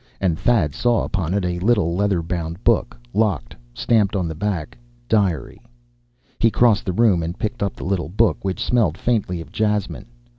And Thad saw upon it a little leather bound book, locked, stamped on the back "Diary." He crossed the room and picked up the little book, which smelled faintly of jasmine.